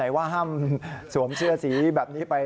ว่าห้ามสวมเสื้อสีแบบนี้ไป